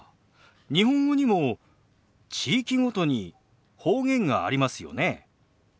日本語にも地域ごとに方言がありますよね。